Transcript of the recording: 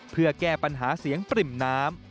เพื่อแก้ปัญหาเสียงปริ่มน้ำ